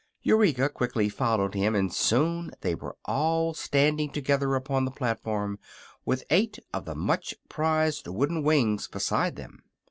Eureka quickly followed him, and soon they were all standing together upon the platform, with eight of the much prized wooden wings beside them.